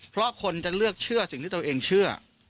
เพราะคนจะเลือกเชื่อสิ่งที่ตัวเองเชื่อ